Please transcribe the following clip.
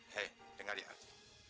hei dengar ya aldi